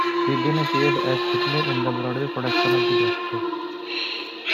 She then appeared as Shirley in the Broadway production of "Disaster!".